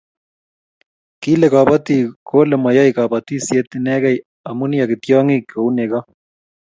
kile kabotik kole mayoe kabotisie inegei amu iyaki tyong'ik kou nego